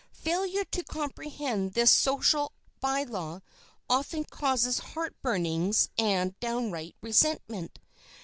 Failure to comprehend this social by law often causes heart burnings and downright resentment.